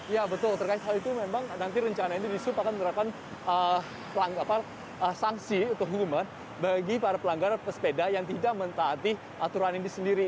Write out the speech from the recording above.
ya betul terkait hal itu memang nanti rencana ini disup akan menerapkan sanksi atau hukuman bagi para pelanggar pesepeda yang tidak mentaati aturan ini sendiri